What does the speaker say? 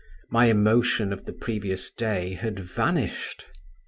My emotion of the previous day had vanished.